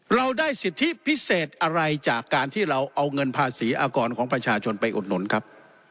เราได้สิทธิพิเศษอะไรจากการที่เราเอาเงินภาษีอากรของประชาชนไปอุดหนุนครับ